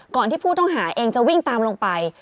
ที่ผู้ต้องหาเองจะวิ่งตามลงไป